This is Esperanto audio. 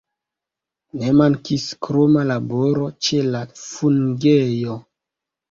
Ne mankis kroma laboro ĉe la fungejo.